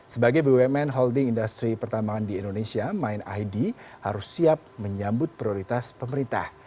sebagai bumn holding industry pertambangan di indonesia mind id harus siap menyambut prioritas pemerintah